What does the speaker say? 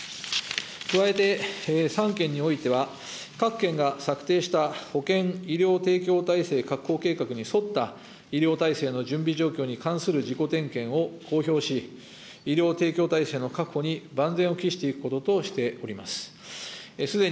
加えて、３県においては各県が策定した保健医療提供体制確保計画に沿った医療体制の準備状況に関する自己点検を公表し、医療提供体制の確保に万全を期していくこととしております。